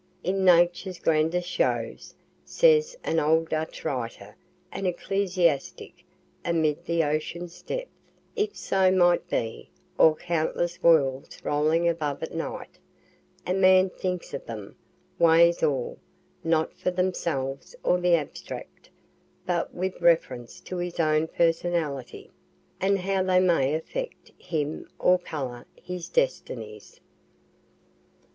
("In Nature's grandest shows," says an old Dutch writer, an ecclesiastic, "amid the ocean's depth, if so might be, or countless worlds rolling above at night, a man thinks of them, weighs all, not for themselves or the abstract, but with reference to his own personality, and how they may affect him or color his destinies.")